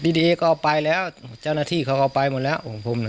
ดีดีเอก็เอาไปแล้วเจ้าหน้าที่เขาเอาไปหมดแล้วโอ้ผมน่ะครับ